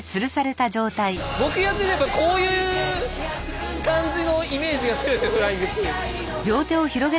僕やってたのはやっぱこういう感じのイメージが強いですよフライングって。